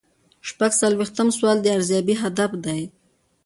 شپږ څلویښتم سوال د ارزیابۍ هدف دی.